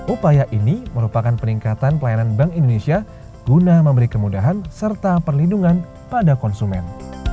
upaya ini merupakan peningkatan pelayanan bank indonesia guna memberi kemudahan serta perlindungan pada konsumen